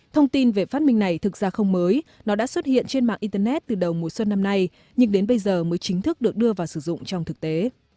thông tin về phát minh này thực ra không mới nó đã xuất hiện trên mạng internet từ đầu mùa xuân năm nay nhưng đến bây giờ mới chính thức được đưa vào sử dụng trong thực tế